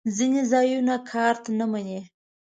ځینې ځایونه کارت نه منی